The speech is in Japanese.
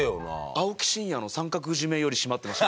青木真也の三角絞めより締まってました。